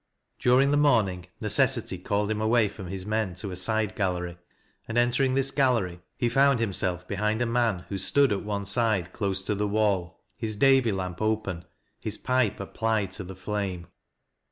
During the morning, necessity called him away from his men to a side gallery, and entering this gallery, he found himself behind a man who stood at one side close to the wall, his Davy lamp open, his pipe applied to the flame.